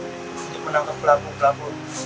ini menangkap pelaku pelaku